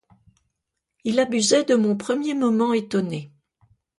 Il abusait de mon premier moment étonné.